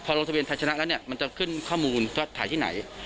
พอโรงทะเบียนถัดชนะแล้วมันจะขึ้นข้อมูลถ่ายที่ไหน